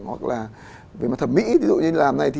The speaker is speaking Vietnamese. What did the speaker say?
hoặc là về mặt thẩm mỹ